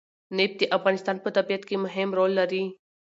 نفت د افغانستان په طبیعت کې مهم رول لري.